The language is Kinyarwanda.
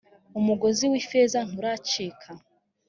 umugozi w ‘ifeza nturacika.